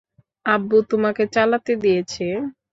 আব্বু তোমাকে চালাতে দিয়েছে?